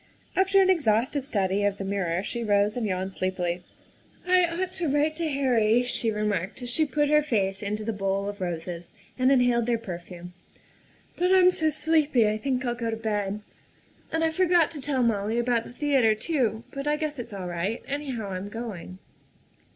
After an exhaustive study of the mirror she rose and yawned sleepily. " I ought to write to Harry," she remarked as she put her face into the bowl of roses and inhaled their perfume, " but I'm so sleepy I think I'll go to bed. THE SECRETARY OF STATE 87 And I forgot to tell Molly about the theatre too, but I guess it's all right; anyhow, I'm going."